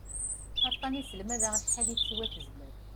Aṭṭan yesselmad-aɣ acḥal i teswa tezmert.